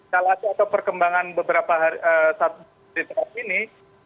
kalau ada perkembangan beberapa hari saat ini